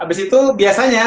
abis itu biasanya